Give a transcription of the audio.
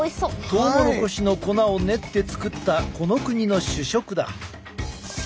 トウモロコシの粉を練って作ったこの国の主食だ。